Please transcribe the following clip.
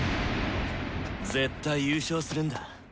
絶対優勝するんだ。